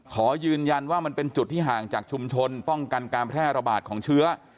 ขอยืนยันว่ามันเป็นจุดที่ห่างจากชุมชนป้องกันการแพร่ระบาดของเชื้อ